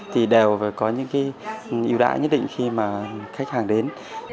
thì đều có những ưu đãi nhất định khi mà khách hàng đến